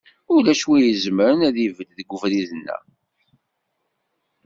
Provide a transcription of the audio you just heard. Ulac win izemren ad ibedd deg ubrid-nneɣ.